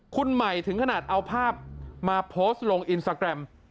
คุณหมายถึงขนาดเอาภาพมาโพสต์ลงอินสตาแกรม